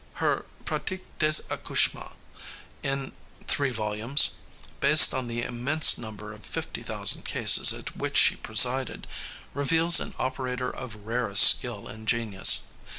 Her Pratique des Accouchements, in three volumes, based on the immense number of fifty thousand cases at which she presided, reveals an operator of rarest skill and genius.